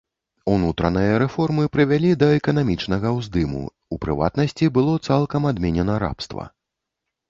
Унутраныя рэформы прывялі да эканамічнага ўздыму, у прыватнасці, было цалкам адменена рабства.